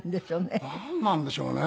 なんなんでしょうね。